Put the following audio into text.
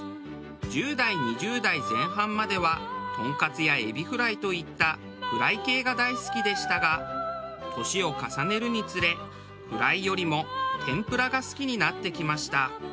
１０代２０代前半まではトンカツやエビフライといったフライ系が大好きでしたが年を重ねるにつれフライよりも天ぷらが好きになってきました。